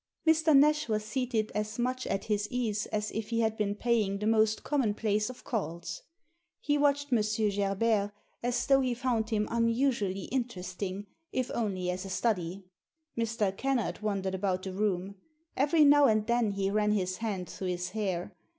Mr. Nash was seated as much at his ease as if he had been paying the most commonplace of calls. He watched M. Gerbert as though he found him un usually interesting, if only as a study. Mr. Kennard wandered about the room. Every now and then he ran his hand through his hair.